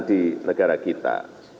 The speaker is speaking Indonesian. di negara kita